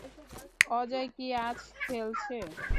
অজয় কি আজ খেলছে?